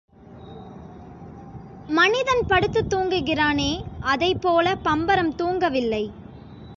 மனிதன் படுத்துத் தூங்குகிறானே அதைப்போல பம்பரம் தூங்கவில்லை.